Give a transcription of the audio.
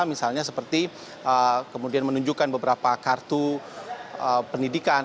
misalnya seperti kemudian menunjukkan beberapa kartu pendidikan